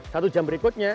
satu jam berikutnya